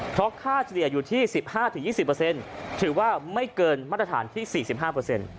เพราะค่าเฉลี่ยอยู่ที่สิบห้าถึงยี่สิบเปอร์เซ็นต์ถือว่าไม่เกินมาตรฐานที่สี่สิบห้าเปอร์เซ็นต์